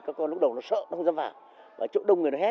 có con mắc chứng tự kỷ